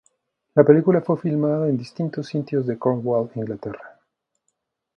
La Película fue filmada en distintos sitios de Cornwall, Inglaterra.